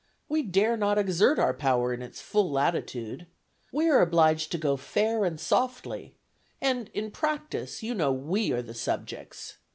We dare not exert our power in its full latitude. We are obliged to go fair and softly, and, in practice, you know we are the subjects.